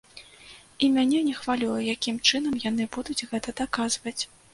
І мяне не хвалюе, якім чынам яны будуць гэта даказваць.